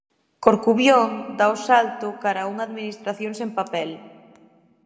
Corcubión dá o salto cara a unha administración sen papel.